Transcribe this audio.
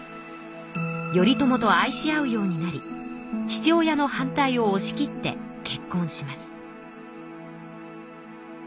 頼朝と愛し合うようになり父親の反対をおし切って結婚します。